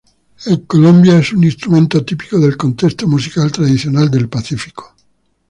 En Colombia es un instrumento típico del contexto musical tradicional del Pacífico.